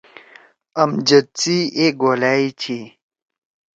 امجد سی اے گھولأئی چھی۔